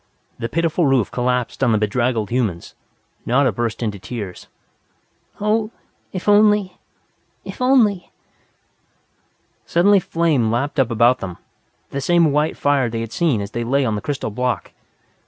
The pitiful roof collapsed on the bedraggled humans. Nada burst into tears. "Oh, if only if only "Suddenly flame lapped up about them, the same white fire they had seen as they lay on the crystal block.